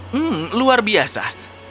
hmm luar biasa